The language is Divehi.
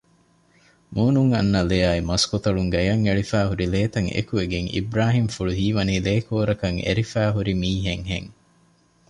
މޫނުން އަންނަ ލެއާއި މަސްކޮތަޅުން ގަޔަށް އެޅިފައިހުރި ލޭތައް އެކުވެގެން އިބުރާހިމްފުޅު ހީވަނީ ލޭކޯރަކަށް އެރިފައިހުރި މީހެއް ހެން